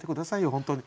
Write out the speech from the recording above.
本当に。